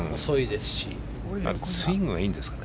スイングがいいんですかね。